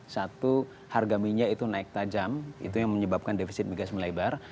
satu harga minyak itu naik tajam itu yang menyebabkan defisit migas melebar